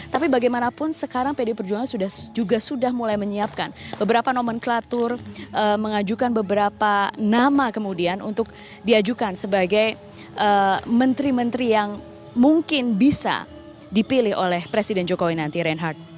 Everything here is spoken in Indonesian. tapi bagaimanapun sekarang pd perjuangan juga sudah mulai menyiapkan beberapa nomenklatur mengajukan beberapa nama kemudian untuk diajukan sebagai menteri menteri yang mungkin bisa dipilih oleh presiden jokowi nanti reinhardt